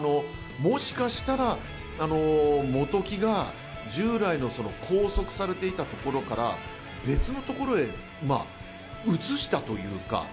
もしかしたら本木が従来の拘束されていたところから別のところへ移したというか。